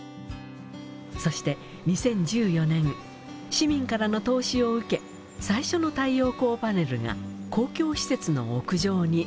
そして２０１４年市民からの投資を受け最初の太陽光パネルが公共施設の屋上に設置されました。